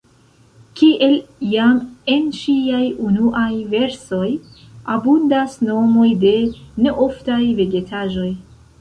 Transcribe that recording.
Kiel jam en ŝiaj unuaj versoj, abundas nomoj de neoftaj vegetaĵoj.